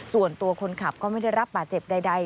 ส่วนตัวคนขับก็ไม่ได้รับบาดเจ็บใด